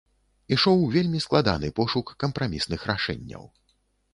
Ішоў вельмі складаны пошук кампрамісных рашэнняў.